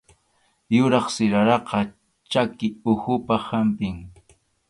Yuraq siraraqa chʼaki uhupaq hampim